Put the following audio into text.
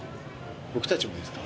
僕たちもですか？